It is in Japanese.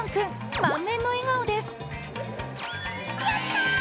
満面の笑顔です。